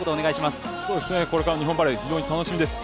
これから日本バレー非常に楽しみです。